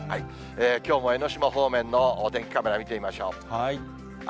きょうも江の島方面のお天気カメラ見てみましょう。